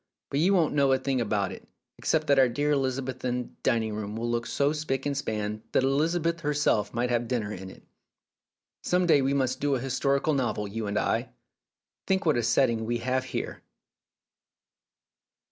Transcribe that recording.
But you won't know a thing about it, except that our dear Elizabethan dining room will look so spick and span that Elizabeth herself might have dinner in it. Some day we must do an historical novel, you and I. Think what a setting we have here